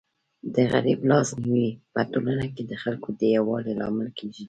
د غریب لاس نیوی په ټولنه کي د خلکو د یووالي لامل کيږي.